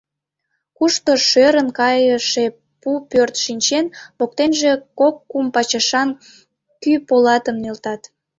Кушто шӧрын кайыше пу пӧрт шинчен, воктенже кок-кум пачашан кӱ полатым нӧлтат.